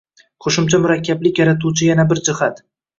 Qo‘shimcha murakkablik yaratuvchi yana bir jihat